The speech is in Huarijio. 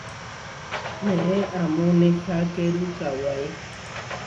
Neé amó nehákeru kawái.